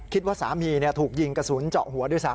คิดว่าสามีถูกยิงกระสุนเจาะหัวด้วยซ้